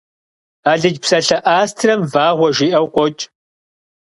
Алыдж псалъэ «астрэм» «вагъуэ» жиӏэу къокӏ.